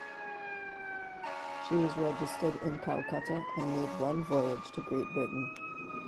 She was registered at Calcutta and made one voyage to Great Britain.